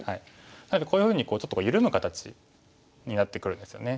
なのでこういうふうにちょっと緩む形になってくるんですよね。